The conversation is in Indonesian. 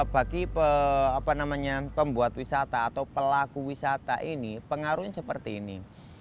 bagi pembuat wisata atau pelaku wisata ini pengaruhnya seperti ini